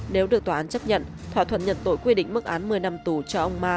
nếu được tòa án chấp nhận thỏa thuận nhận tội quy định mức án một mươi năm tù cho ông ma